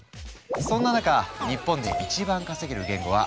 そんな中日本で一番稼げる言語は「Ｓｗｉｆｔ」。